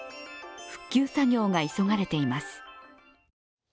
復旧作業が急がれています。